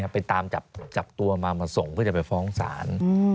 ไปตามจับตัวมามาส่งเพื่อจะไปฟ้องศาล